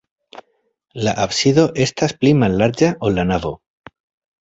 La absido estas pli mallarĝa, ol la navo.